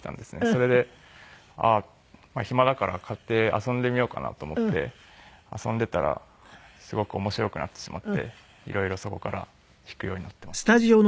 それで暇だから買って遊んでみようかなと思って遊んでいたらすごく面白くなってしまって色々そこから弾くようになっていました。